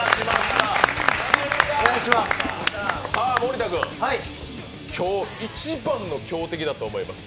盛田君、今日一番の強敵だと思います。